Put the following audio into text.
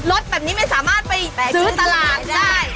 รถแบบนี้ไม่สามารถไปซื้อตลาดได้